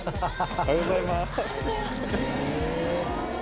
おはようございます。